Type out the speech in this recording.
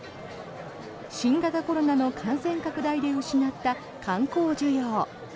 新型コロナの感染拡大で失った観光需要。